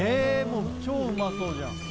もう超うまそうじゃん